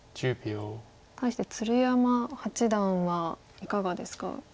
対して鶴山八段はいかがですか？